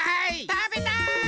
たべたい！